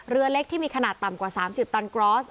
เรือเล็กที่มีขนาดต่ำกว่า๓๐ตันกรอส